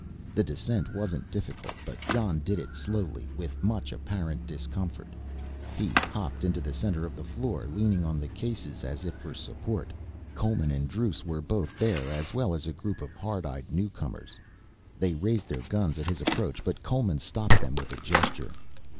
The descent wasn't difficult, but Jon did it slowly with much apparent discomfort. He hopped into the center of the floor leaning on the cases as if for support. Coleman and Druce were both there as well as a group of hard eyed newcomers. They raised their guns at his approach but Coleman stopped them with a gesture.